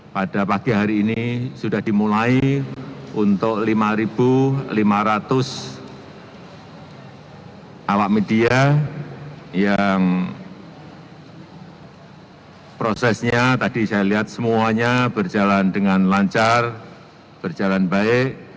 pada pagi hari ini sudah dimulai untuk lima lima ratus awak media yang prosesnya tadi saya lihat semuanya berjalan dengan lancar berjalan baik